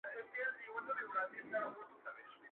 • دا ملنګ سړی چي نن خویونه د باچا کوي,